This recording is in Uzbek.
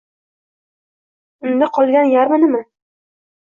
Unda qolgan yarmi nima?